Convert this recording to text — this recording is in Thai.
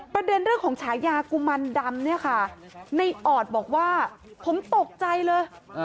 ประเด็นเรื่องของฉายากุมันดำเนี่ยค่ะในออดบอกว่าผมตกใจเลย